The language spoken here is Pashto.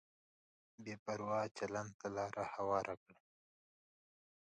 بې پروا چلند ته لار هواره کړي.